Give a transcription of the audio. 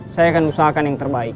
saya akan usahakan yang terbaik